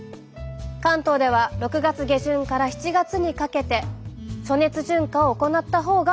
関東では６月下旬から７月にかけて暑熱順化を行ったほうがよいでしょう。